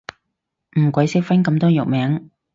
唔鬼識分咁多藥名